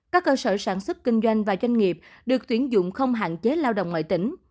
các cơ sở sản xuất kinh doanh và doanh nghiệp được tuyển dụng không hạn chế lao động ngoại tỉnh